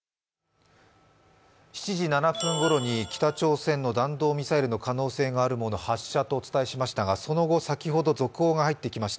７時７分ごろに北朝鮮の弾道ミサイルの可能性があるもの、発射とお伝えしましたがその後、先ほど続報が入ってきました。